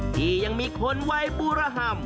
ที่ยังมีคนวัยบุรหัม